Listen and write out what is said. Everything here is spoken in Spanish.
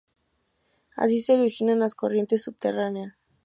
Así se originan las corrientes subterráneas.